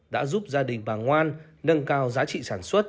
đã giúp gia đình bà ngoan nâng cao giá trị sản xuất